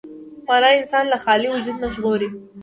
معنی انسان له خالي وجود نه ژغوري.